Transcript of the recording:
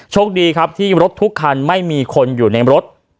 โชคดีครับที่รถทุกคันไม่มีคนอยู่ในรถ